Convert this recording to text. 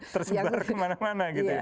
tersebar kemana mana gitu